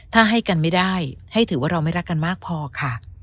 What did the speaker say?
ถ้าให้กันไม่ได้ให้ถือว่าเราไม่รักกันมากพอค่ะ